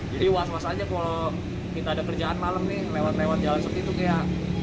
jadi was was aja kalau kita ada kerjaan malam nih lewat lewat jalan sepi itu kayak